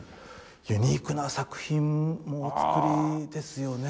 ユニークな作品もお作りですよね？